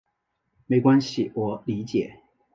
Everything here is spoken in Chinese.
没关系，我理解。